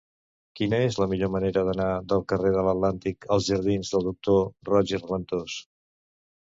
Quina és la millor manera d'anar del carrer de l'Atlàntic als jardins del Doctor Roig i Raventós?